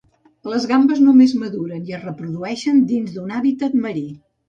Les gambes només maduren i es reprodueixen dins d'un hàbitat marí.